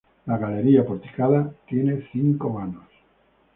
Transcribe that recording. La galería porticada tiene cinco vanos.